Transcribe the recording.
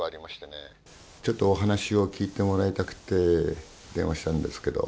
ちょっとお話を聞いてもらいたくて電話したんですけど。